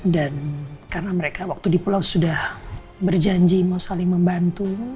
dan karena mereka waktu di pulau sudah berjanji mau saling membantu